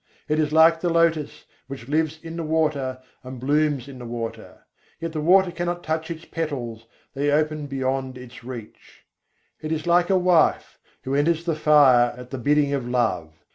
It is like the lotus, which lives in the water and blooms in the water: yet the water cannot touch its petals, they open beyond its reach. It is like a wife, who enters the fire at the bidding of love.